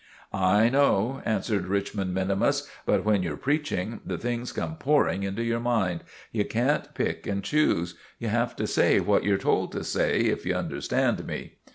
"I know," answered Richmond minimus, "but when you're preaching, the things come pouring into your mind. You can't pick and choose. You have to say what you're told to say, if you understand me."